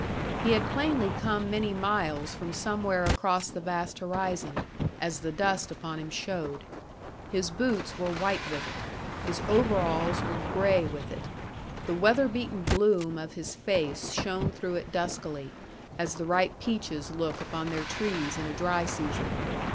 He had plainly come many miles from somewhere across the vast horizon, as the dust upon him showed. His boots were white with it. His overalls were gray with it. The weather beaten bloom of his face shone through it duskily, as the ripe peaches look upon their trees in a dry season.